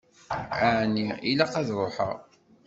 Ɛni ilaq ad ṛuḥeɣ?